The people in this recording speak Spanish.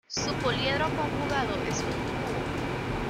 Su poliedro conjugado es un cubo.